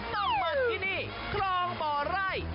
น้ำมันที่นี่คลองหม่อไร้